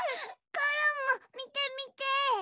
コロンもみてみて！